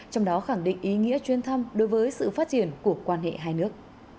trong đó khẳng định ý nghĩa chuyên thăm đối với sự phát triển của quan hệ hai nước